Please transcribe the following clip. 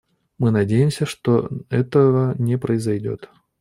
Мы надеемся, что этого не произойдет.